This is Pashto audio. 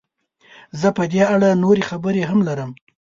زه په دې اړه نورې خبرې هم لرم.